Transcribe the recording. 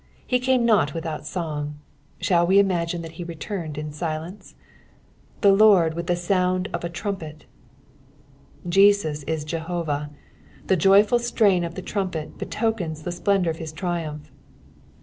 He came not without song, Khali we imugine that he returned in silence ?" The Lard itith the tound of a trumpet,^' Jesus is Jehovah. The joyful strain of the trumpet betokens the splendour of hia triumph.